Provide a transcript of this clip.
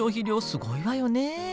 すごいわよね。